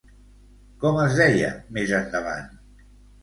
Com es deia més endavant?